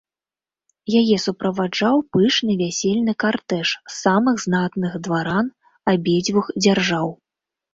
Яе суправаджаў пышны вясельны картэж з самых знатных дваран абедзвюх дзяржаў.